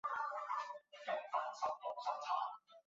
它由楚科奇自治区负责管辖。